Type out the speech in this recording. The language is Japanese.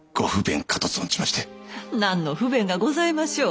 何の不便がございましょう？